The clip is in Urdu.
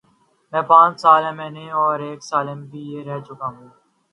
میں پانچ سال ایم این اے اور ایک سال ایم پی اے رہ چکا ہوں۔